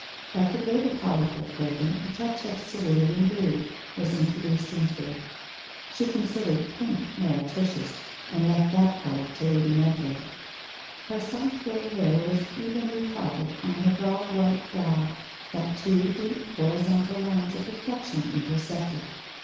Like the greater part of her clothing a touch of cerulean blue was introduced into it. She considered pink meretricious and left that colour to Lady Meadrow. Her soft grey hair was evenly parted on her broad white brow, that two deep horizontal lines of reflection intersected.